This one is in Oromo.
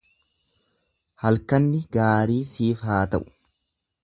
Halkanni gaarii siif haa ta'u.